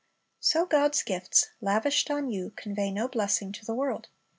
So God's gifts, lavished on you, convey no blessing to the world.